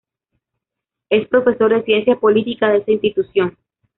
Es profesor de Ciencia Política de esa institución.